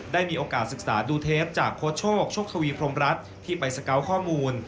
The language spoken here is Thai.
ได้มีโอกาสศึกษาดูเทปจากโค้ชโชคโชคทวีพรมรัฐที่ไปสเกาะข้อมูล